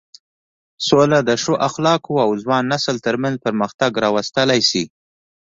سوله د ښو اخلاقو او ځوان نسل تر منځ پرمختګ راوستلی شي.